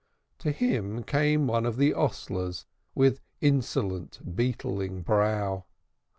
To him came one of the hostlers with insolent beetling brow.